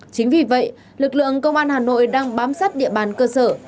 chính vì vậy lực lượng công an hà nội đang bám sát địa bàn cơ sở